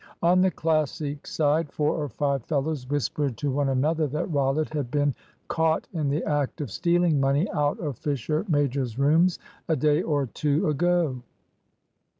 On the Classic side four or five fellows whispered to one another that Rollitt had been caught in the act of stealing money out of Fisher major's rooms a day or two ago.